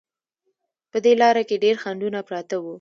په دې لاره کې ډېر خنډونه پراته وو.